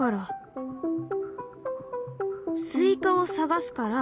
スイカを探すから。